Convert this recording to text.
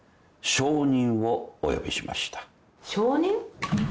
証人？